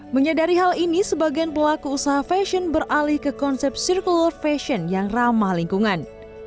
menyadari hal ini sebagian pelaku usaha fashion beralih ke konsep circular fashion yang ramah lingkungan